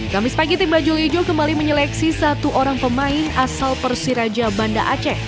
kamis pagi tim bajul ijo kembali menyeleksi satu orang pemain asal persiraja banda aceh